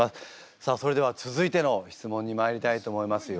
さあそれでは続いての質問にまいりたいと思いますよ。